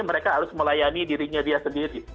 mereka harus melayani dirinya dia sendiri